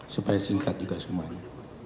supaya singkat juga semuanya